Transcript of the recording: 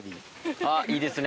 あっいいですね。